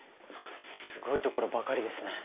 すごい所ばかりですね。